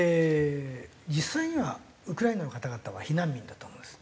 実際にはウクライナの方々は避難民だと思うんです。